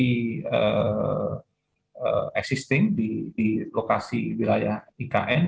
kemudian ada yang mencari pengadaan lahan yang eksisting di lokasi wilayah ikn